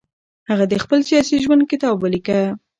هغه د خپل سیاسي ژوند کتاب ولیکه.